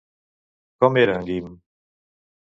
Com era en Guim?